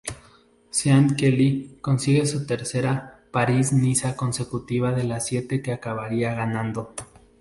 Sean Kelly consigue su tercera París-Niza consecutiva de las siete que acabaría ganando.